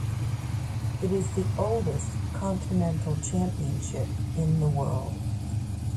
It is the oldest continental championship in the world.